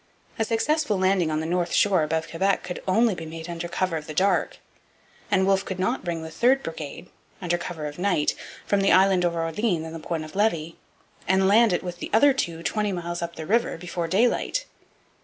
A successful landing on the north shore above Quebec could only be made under cover of the dark; and Wolfe could not bring the third brigade, under cover of night, from the island of Orleans and the Point of Levy, and land it with the other two twenty miles up the river before daylight.